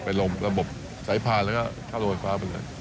เป็นลมระบบไฟฟ้าแล้วก็เข้าโรงไฟฟ้าไปเลย